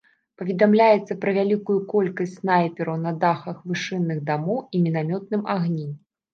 Паведамляецца пра вялікую колькасць снайпераў на дахах вышынных дамоў і мінамётным агні.